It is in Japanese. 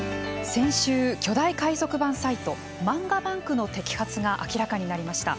先週、巨大海賊版サイト「漫画ＢＡＮＫ」の摘発が明らかになりました。